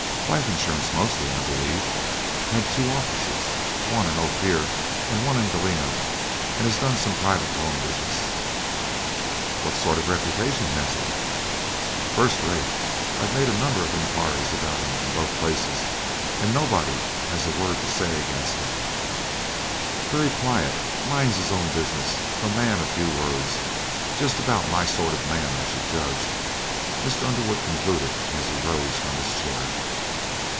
"Life insurance mostly, I believe; had two offices, one in Ophir and one at Galena, and has also done some private loan business." "What sort of a reputation has he?" "First rate. I've made a number of inquiries about him in both places, and nobody has a word to say against him; very quiet, minds his own business, a man of few words; just about my sort of a man, I should judge," Mr. Underwood concluded as he rose from his chair.